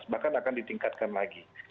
bahkan akan ditingkatkan lagi